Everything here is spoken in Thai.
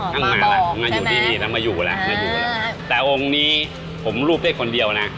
อ๋อป้าบอกใช่ไหมมาอยู่แล้วแต่องค์นี้ผมรูปได้คนเดียวนะ